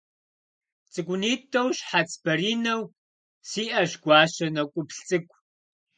Цӏыкӏунитӏэу, щхьэц баринэу, сиӏэщ гуащэ нэкӏуплъ цӏыкӏу.